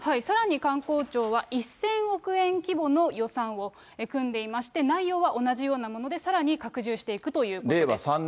さらに観光庁は、１０００億円規模の予算を組んでいまして、内容は同じようなものでさらに拡充していくということです。